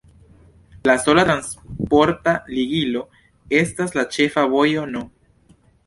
La sola transporta ligilo estas la ĉefa vojo No.